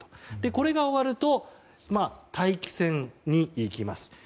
これが終わると待機線に行きます。